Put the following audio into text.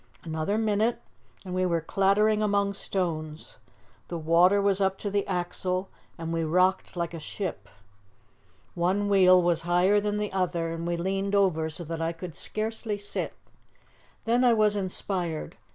Another minute and we were clattering among stones; the water was up to the axle and we rocked like a ship. One wheel was higher than the other, and we leaned over so that I could scarcely sit. Then I was inspired.